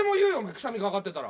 くしゃみかかってたら。